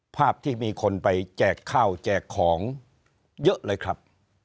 ภาพที่มีคนไปแจกข้าวแจกของเยอะเลยครับ